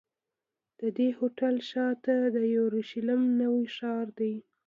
د دې هوټل شاته د یورشلېم نوی ښار دی.